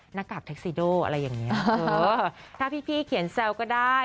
หน้ากากเท็กซิโดอะไรอย่างเงี้ยเออถ้าพี่เขียนแซวก็ได้